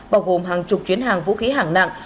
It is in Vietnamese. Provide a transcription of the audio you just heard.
bao gồm hàng chục chuyến hàng vũ khí hạng nặng